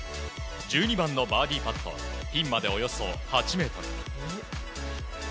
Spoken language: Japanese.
１２番のバーディーパットピンまでおよそ８ｍ。